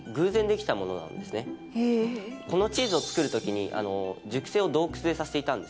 このチーズを作る時に熟成を洞窟でさせていたんです。